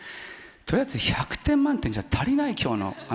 とりあえず１００点満点じゃ、足りない、きょうの。